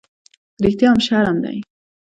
_په رښتيا هم، شرم دی؟